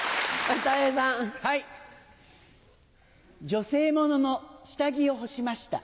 女性ものの下着を干しました。